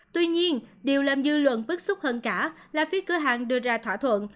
tuy nhiên điều làm dư luận bức xúc hơn cả là phía cửa hàng đưa ra thỏa thuận